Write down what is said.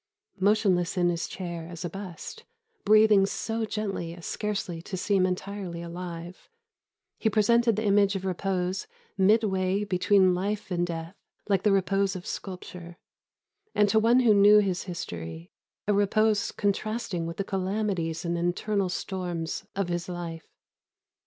Motionless in his chair as a bust, breathing so gently as scarcely to seem entirely alive, he presented the image of repose midway between life and death like the repose of sculpture, and to one who knew his history, a repose contrasting with the calamities and internal storms of his life.